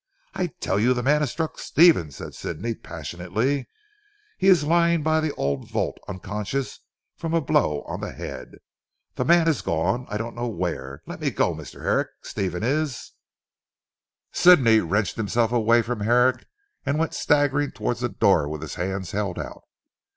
"I tell you the man has struck Stephen," said Sidney passionately, "he is lying by the old vault unconscious from a blow on the head. The man has gone. I don't know where. Let me go, Mr. Herrick. Stephen is " Sidney wrenched himself away from Herrick and went staggering towards the door with his hands held out.